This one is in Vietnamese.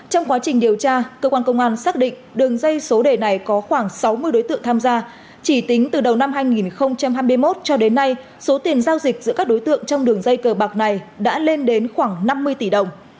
trong quá trình điều tra cơ quan công an xác định đường dây số đề này có khoảng sáu mươi đối tượng tham gia chỉ tính từ đầu năm hai nghìn hai mươi một cho đến nay số tiền giao dịch giữa các đối tượng trong đường dây cờ bạc này đã lên đến khoảng năm mươi tỷ đồng